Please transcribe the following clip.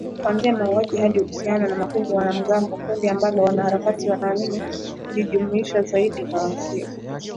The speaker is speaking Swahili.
kuanzia mauaji hadi uhusiano na makundi ya wanamgambo, kundi ambalo wanaharakati wanaamini lilijumuisha zaidi wa shia